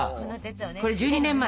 これ１２年前！